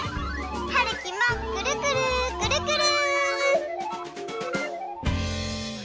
はるきもくるくるくるくる。